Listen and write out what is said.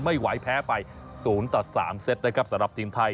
ไหวแพ้ไป๐ต่อ๓เซตนะครับสำหรับทีมไทย